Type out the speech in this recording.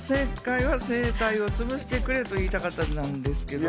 正解は声帯を潰してくれと言いたかったでした。